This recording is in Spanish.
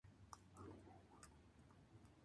Los individuos juveniles son parecidos a las hembras.